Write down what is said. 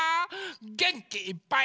げんきいっぱい。